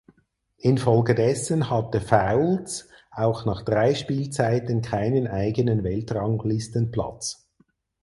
Infolgedessen hatte Foulds auch nach drei Spielzeiten keinen eigenen Weltranglistenplatz.